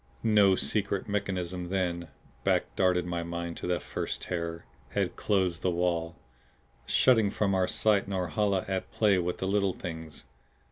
No secret mechanism then back darted my mind to that first terror had closed the wall, shutting from our sight Norhala at play with the Little Things.